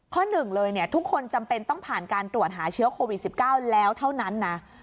หนึ่งเลยทุกคนจำเป็นต้องผ่านการตรวจหาเชื้อโควิด๑๙แล้วเท่านั้นนะ